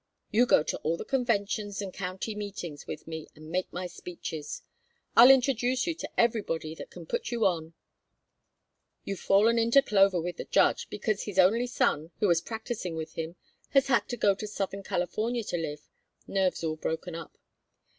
You'll go to all the conventions and county meetings with me and make my speeches. I'll introduce you to everybody that can put you on. You've fallen into clover with the judge, because his only son, who was practising with him, has had to go to southern California to live nerves all broken up.